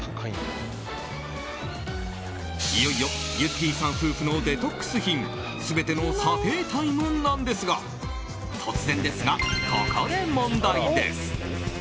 いよいよゆってぃさん夫妻のデトックス品全ての査定タイムなんですが突然ですが、ここで問題です。